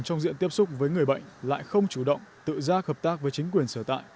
các trường hợp tiếp xúc với người bệnh lại không chủ động tự ra hợp tác với chính quyền sửa tại